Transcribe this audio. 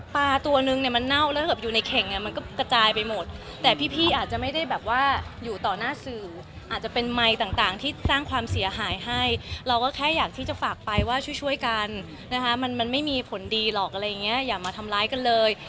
เพราะว่าแค่อยากที่จะฝากไปว่าช่วยช่วยกันมันไม่มีผลดีหรอกอย่ามาทำร้ายกันเลย